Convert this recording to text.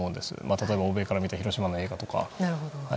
例えば欧米から見た広島の映画とか。